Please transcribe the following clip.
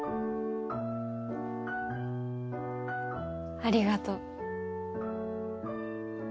ありがとう。